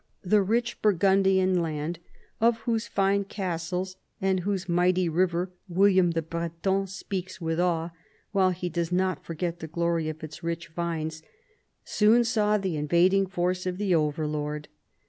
The rich Burgundian land, of whose fine castles and whose mighty river William the Breton speaks with awe, while he does not forget the glory of its rich vines, soon saw the invading force of the overlord.